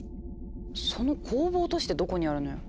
その工房都市ってどこにあるのよ？